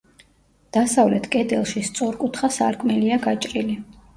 დასავლეთ კედელში სწორკუთხა სარკმელია გაჭრილი.